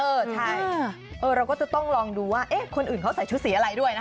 เออแล้วก็ต้องลองดูว่าเอ๊คนอื่นเขาใส่ชุดสีอะไรด้วยนะ